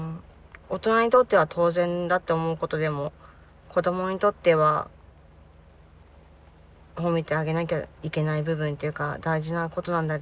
大人にとっては当然だって思うことでも子どもにとっては褒めてあげなきゃいけない部分っていうか大事なことなんで。